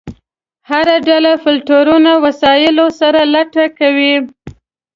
هر ډله فلټرونو وسایلو سره لټه کوي.